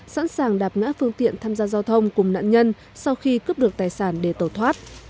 sẵn sàng đạp ngã phương tiện tham gia giao thông cùng nạn nhân sau khi cướp được tài sản để tẩu thoát